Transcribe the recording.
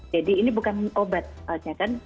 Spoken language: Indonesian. jadi ini bukan obat soalnya kan